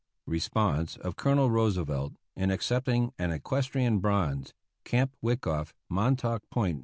317 APPENDIX G [Response of Colonel Roosevelt in accepting an eques trian bronze, Camp Wikofi, Montauk Point, N.